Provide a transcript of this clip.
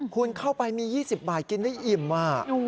คุณเข้าไปมี๒๐บาทกินได้อิ่ม